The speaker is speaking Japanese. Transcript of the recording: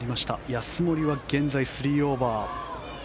安森は現在３オーバー。